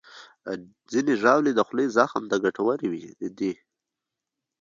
ځینې ژاولې د خولې زخم ته ګټورې دي.